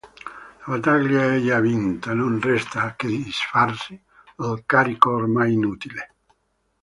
La battaglia è già vinta: non resta che disfarsi del carico ormai inutile.